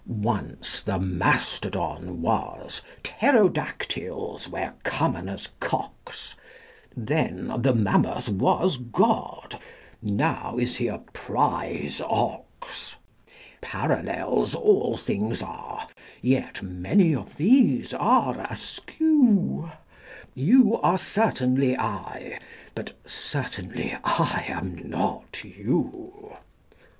Once the mastodon was: pterodactyls were common as cocks: Then the mammoth was God: now is He a prize ox. Parallels all things are: yet many of these are askew: You are certainly I: but certainly I am not you.